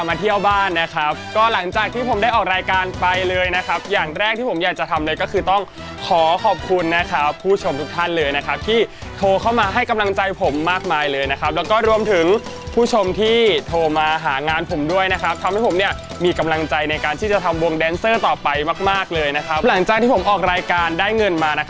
เที่ยวบ้านนะครับก็หลังจากที่ผมได้ออกรายการไปเลยนะครับอย่างแรกที่ผมอยากจะทำเลยก็คือต้องขอขอบคุณนะครับผู้ชมทุกท่านเลยนะครับที่โทรเข้ามาให้กำลังใจผมมากมายเลยนะครับแล้วก็รวมถึงผู้ชมที่โทรมาหางานผมด้วยนะครับทำให้ผมเนี่ยมีกำลังใจในการที่จะทำวงแดนเซอร์ต่อไปมากมากเลยนะครับหลังจากที่ผมออกรายการได้เงินมานะครับ